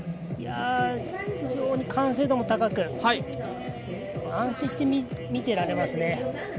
いや、非常に完成度も高く、安心して見ていられますね。